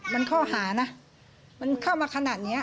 มันข้อหานะมันเข้ามาขนาดนี้